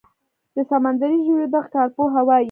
د سمندري ژویو دغه کارپوهه وايي